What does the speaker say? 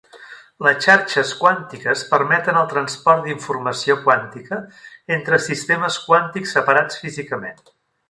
Les xarxes quàntiques permeten el transport d'informació quàntica entre sistemes quàntics separats físicament.